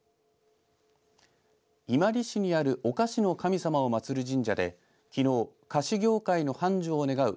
伊万里市にあるお菓子の神様を祭る神社できのう菓子業界の繁盛を願う